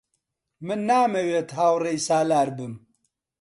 من نامەوێت هاوڕێی سالار بم.